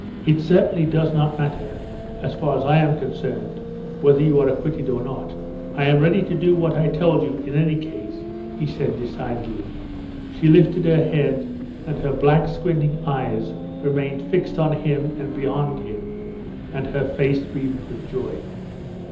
"It certainly does not matter as far as I am concerned whether you are acquitted or not. I am ready to do what I told you in any case," he said decidedly. She lifted her head and her black squinting eyes remained fixed on him and beyond him, and her face beamed with joy.